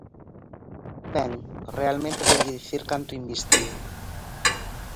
Ben, realmente voulle dicir canto invisten.